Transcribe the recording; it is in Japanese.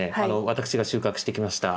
私が収穫してきました